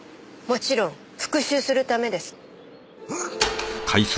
もちろん復讐するためです。